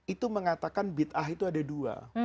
itu mengatakan bid'ah itu ada dua